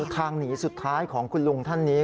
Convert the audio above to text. ทางหนีสุดท้ายของคุณลุงท่านนี้